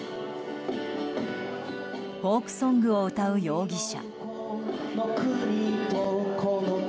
フォークソングを歌う容疑者。